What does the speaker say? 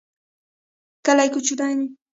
کلی کوچنی دی.